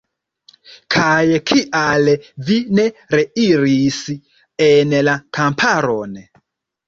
Kaj kial vi ne reiris en la kamparon?